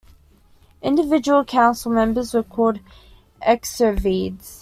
Individual council members were called Exovedes.